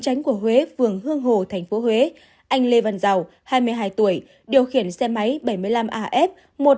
tránh của huế phường hương hồ tp huế anh lê văn giàu hai mươi hai tuổi điều khiển xe máy bảy mươi năm af một mươi hai nghìn bốn trăm tám mươi chín